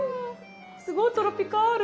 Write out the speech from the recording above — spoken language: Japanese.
すごいトロピカル。